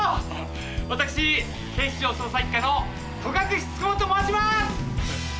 私警視庁捜査一課の戸隠九十九と申します！